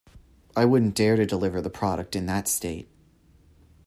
I wouldn't dare to deliver the product in that state.